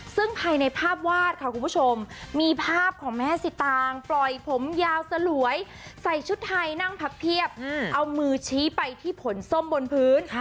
ซึ่งภายในภาพวาดค่ะคุณผู้ชมมีภาพของแม่สิตางปล่อยผมยาวสลวยใส่ชุดไทยนั่งพับเพียบเอามือชี้ไปที่ผลส้มบนพื้น